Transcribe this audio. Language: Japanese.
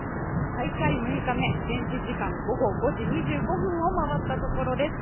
大会６日目、現地時間午後５時２５分を回ったところです。